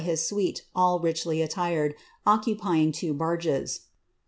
his suite, all richly attired, occupying two barges.